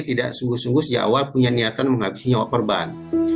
tidak sungguh sungguh sejak awal punya niatan menghabisi nyawa korban